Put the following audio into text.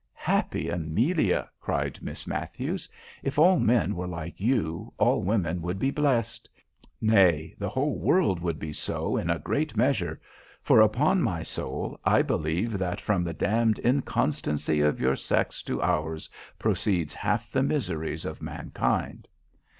"Happy Amelia!" cried Miss Matthews. "If all men were like you, all women would be blessed; nay, the whole world would be so in a great measure; for, upon my soul, I believe that from the damned inconstancy of your sex to ours proceeds half the miseries of mankind."